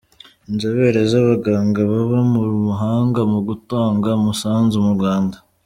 Inzobere z’Abaganga baba mu mahanga mu gutanga umusanzu mu Rwanda